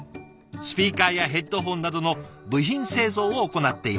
スピーカーやヘッドホンなどの部品製造を行っています。